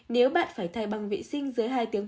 nếu bạn phải thay bằng vệ sinh dưới hai tiếng